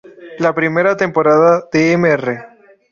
La primera temporada de "Mr.